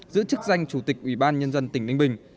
giữ chức danh chủ tịch ủy ban nhân dân tỉnh ninh bình